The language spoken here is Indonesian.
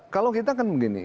kalau kita kan begini